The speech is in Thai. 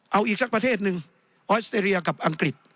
เอาอีกสักประเทศหนึ่งออสเตรเลียกับอังกฤษ